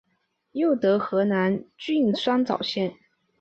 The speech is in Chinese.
又得河南郡酸枣县。